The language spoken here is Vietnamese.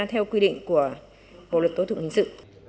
theo quy định của bộ luật tố tụng hình sự